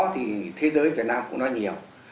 thế giới việt nam cũng nói nhiều